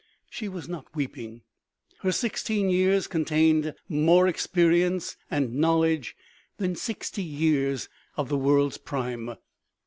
She was not weeping. Her sixteen years contained more experience and knowledge than sixty years of the world's prime.